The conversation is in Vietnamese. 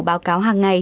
báo cáo hàng ngày